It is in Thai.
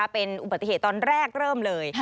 เป็นอุบัติเหตุตอนแรกเริ่มเลย